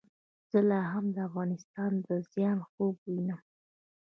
زه لا هم د افغانستان د زیان خوب وینم.